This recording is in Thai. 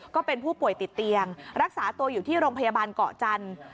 ก็เป็นผู้ป่วยติดเตียงรักษาตัวอยู่ที่โรงพยาบาลเกาะจันทร์